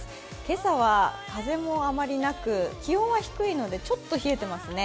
今朝は風もあまりなく気温は低いのでちょっと冷えてますね。